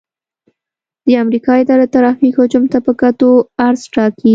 د امریکا اداره د ترافیک حجم ته په کتو عرض ټاکي